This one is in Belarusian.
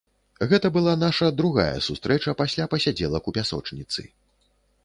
Гэта была наша другая сустрэча пасля пасядзелак у пясочніцы.